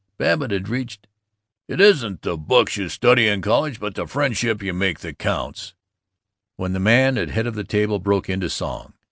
Babbitt had reached "It isn't the books you study in college but the friendships you make that counts" when the men at head of the table broke into song.